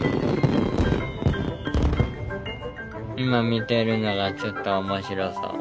今見てるのがちょっと面白そう。